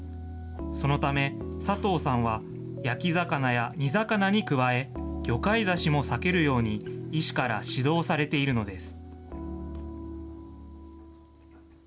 そのため佐藤さんは焼き魚や煮魚に加え、魚介だしも避けるように医師から指導されているのです。